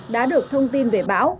đã được thông tin về bão